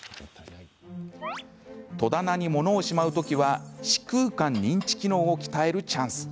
戸棚に物をしまう時は視空間認知機能を鍛えるチャンス。